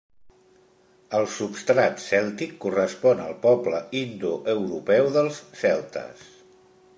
El substrat cèltic correspon al poble indoeuropeu dels celtes.